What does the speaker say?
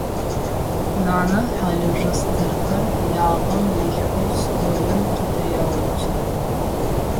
Нанэ хьалыжъо стырхэр лагъэм илъхэу столым къытырегъэуцо.